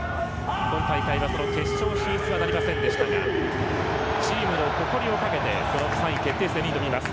今大会はその決勝進出はなりませんでしたがチームの誇りをかけて３位決定戦に臨みます。